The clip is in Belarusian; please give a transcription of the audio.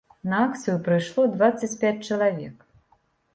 На акцыю прыйшло дваццаць пяць чалавек.